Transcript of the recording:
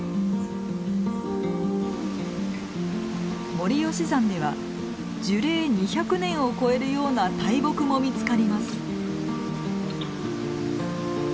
森吉山では樹齢２００年を超えるような大木も見つかります。